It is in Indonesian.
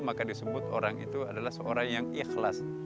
maka disebut orang itu adalah seorang yang ikhlas